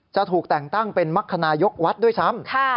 จะถูกแต่งตั้งเป็นมรรคนายกวัดด้วยซ้ำ